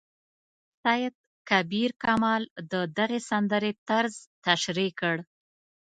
سید کبیر کمال د دغې سندرې طرز تشریح کړ.